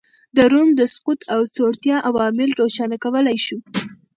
د روم د سقوط او ځوړتیا عوامل روښانه کولای شو